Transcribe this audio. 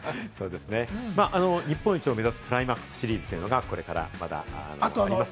日本一を目指すクライマックスシリーズというのがこれからあります。